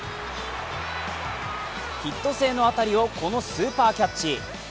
ヒット性の当たりをこのスーパーキャッチ。